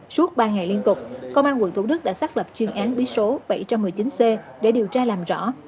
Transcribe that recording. suốt ba ngày liên tục công an quận thủ đức đã xác lập chuyên án bí số bảy trăm một mươi chín c để điều tra làm rõ